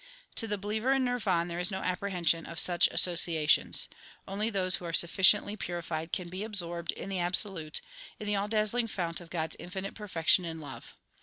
To the believer in Nirvan there is no apprehension of such associations. Only those who are sufficiently purified can be absorbed in the Absolute, in the all dazzling fount of God s infinite perfection and love.